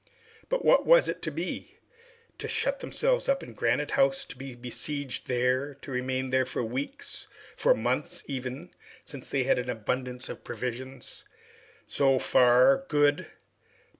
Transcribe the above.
But what was it to be? To shut themselves up in Granite House, to be besieged there, to remain there for weeks, for months even, since they had an abundance of provisions? So far good!